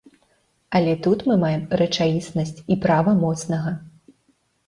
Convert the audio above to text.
Але тут мы маем рэчаіснасць і права моцнага.